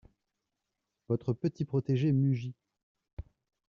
Votre petit protégé mugit.